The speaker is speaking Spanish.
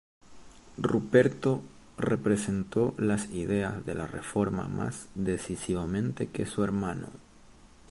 Ruperto representó las ideas de la Reforma más decisivamente que su hermano.